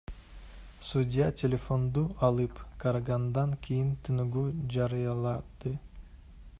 Судья телефонду алып, карагандан кийин тыныгуу жарыялады.